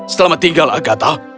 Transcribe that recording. selamat tinggal agatha